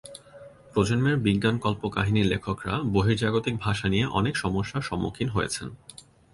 প্রজন্মের বিজ্ঞান কল্পকাহিনীর লেখকরা বহির্জাগতিক ভাষা নিয়ে অনেক সমস্যার সম্মুখীন হয়েছেন।